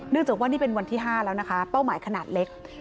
จากว่านี่เป็นวันที่๕แล้วนะคะเป้าหมายขนาดเล็ก